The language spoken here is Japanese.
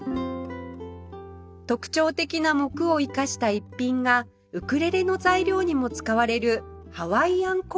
特徴的な杢を生かした逸品がウクレレの材料にも使われるハワイアンコアのボールペン